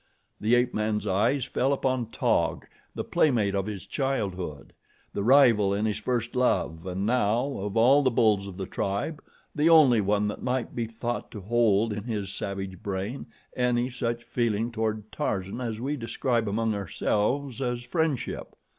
The ape man's eyes fell upon Taug, the playmate of his childhood, the rival in his first love and now, of all the bulls of the tribe, the only one that might be thought to hold in his savage brain any such feeling toward Tarzan as we describe among ourselves as friendship.